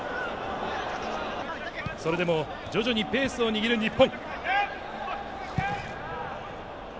それでも徐々にペースを握る日本。